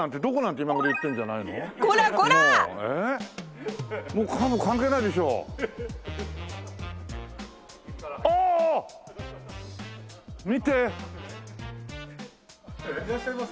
いらっしゃいませ。